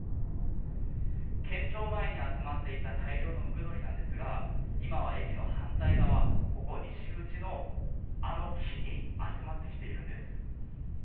県庁前に集まっていた大量のムクドリなんですが、今は駅の反対側、ここ、西口のあの木に集まってきているんです。